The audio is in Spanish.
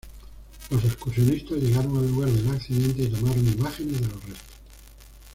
Los excursionistas llegaron al lugar del accidente y tomaron imágenes de los restos.